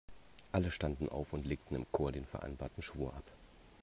Alle standen auf und legten im Chor den vereinbarten Schwur ab.